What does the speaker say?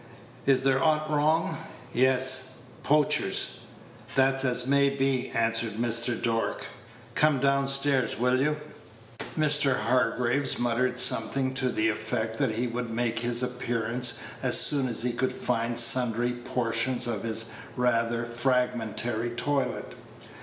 "Is there aught wrong?" "Yes." "Poachers?" "That's as may be," answered Mr. Dork. "Come down stairs, will you?" Mr. Hargraves muttered something to the effect that he would make his appearance as soon as he could find sundry portions of his rather fragmentary toilet.